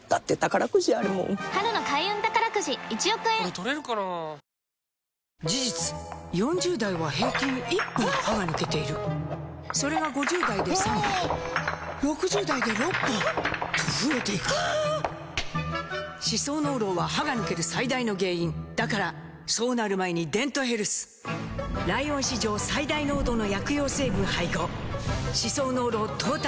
「ブローネ」「ルミエスト」事実４０代は平均１本歯が抜けているそれが５０代で３本６０代で６本と増えていく歯槽膿漏は歯が抜ける最大の原因だからそうなる前に「デントヘルス」ライオン史上最大濃度の薬用成分配合歯槽膿漏トータルケア！